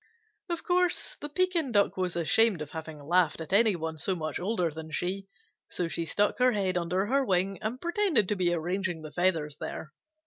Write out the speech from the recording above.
Of course the Pekin Duck was ashamed of having laughed at any one so much older than she, so she stuck her head under her wing and pretended to be arranging the feathers there.